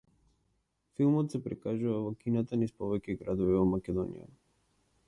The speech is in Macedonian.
Филмот се прикажува во кината низ повеќе градови во Македонија.